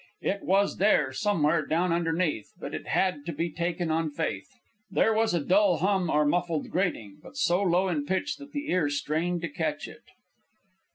It was there, somewhere, down underneath; but it had to be taken on faith. There was a dull hum or muffled grating, but so low in pitch that the ear strained to catch it.